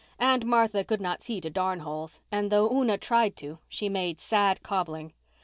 Aunt Martha could not see to darn holes and though Una tried to, she made sad cobbling.